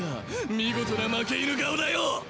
見事な負け犬顔だよ！